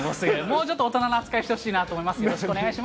もうちょっと大人な扱いしてほしいと思います。